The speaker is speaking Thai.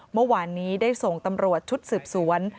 เมื่อวานนี้ได้ส่งตำรวจชุดสืบสวน